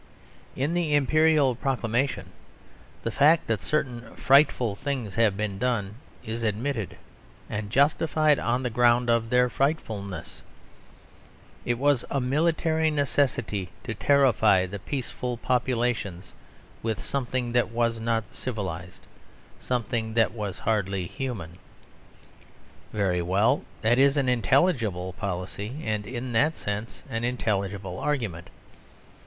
In the Imperial proclamation the fact that certain "frightful" things have been done is admitted; and justified on the ground of their frightfulness. It was a military necessity to terrify the peaceful populations with something that was not civilised, something that was hardly human. Very well. That is an intelligible policy: and in that sense an intelligible argument.